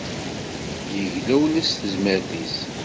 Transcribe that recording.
Yegla ula s tezmert-is